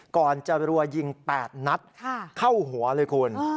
ก่อนจะรัวยิง๘นัดเข้าหัวเลยคุณ